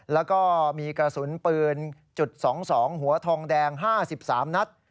แล้วก็มีกระสุนปืนจุด๒๒หัวทองแดง๕๓นัด